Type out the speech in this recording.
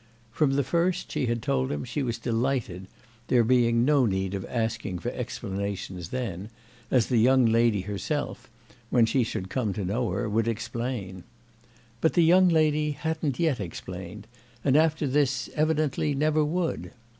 From the first she had told him she was delighted, there being no need of asking for explanations then, as the young lady herself, when she should come to know her, would explain. But the young lady hadn't yet explained and after this evidently never would.